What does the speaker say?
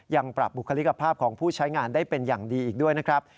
ยังปรับบุคลิกภาพของผู้ใช้งานได้เป็นอย่างดีอีกด้วยนะครับ